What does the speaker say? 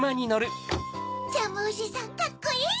ジャムおじさんカッコいい！